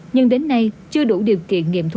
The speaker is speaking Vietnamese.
nhưng đến nay chưa đủ điều kiện nghiệm thu